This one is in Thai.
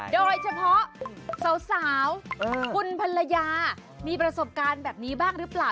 โดยเฉพาะสาวคุณภรรยามีประสบการณ์แบบนี้บ้างหรือเปล่า